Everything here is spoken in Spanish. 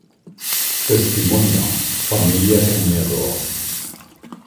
Testimonio: Familia Cañedo